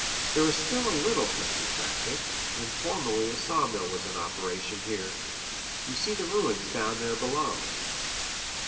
There is still a little country traffic, and formerly a sawmill was in operation here; you see its ruins down there below.